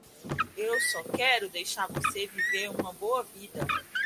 Eu só quero deixar você viver uma boa vida.